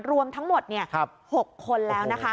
รวมทั้งหมด๖คนแล้วนะคะ